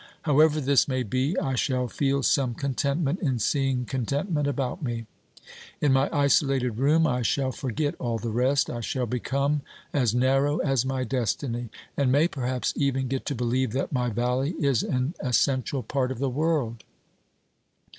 However this may be, I shall feel some contentment in seeing contentment about me. In my isolated room I shall forget all the rest ; I shall become as narrow as my destiny, and may perhaps even get to believe that my valley is an essential part of the world.